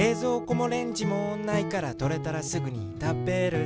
こもレンジもないからとれたらすぐにたべる」